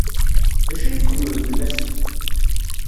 D acu ay txemmemem fell-as?